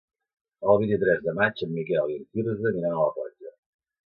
El vint-i-tres de maig en Miquel i en Quirze aniran a la platja.